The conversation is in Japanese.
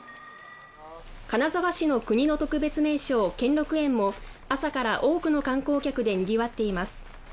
金沢市の国の特別名勝兼六園も朝から多くの観光客で賑わっています。